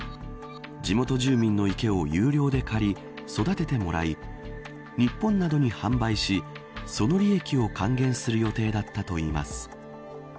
地元住民の池を有料で借り育ててもらい、日本などに販売しその利益を還元する予定だったといいます。